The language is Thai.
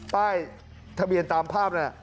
ป้ายทะเบียนตามภาพน่ะ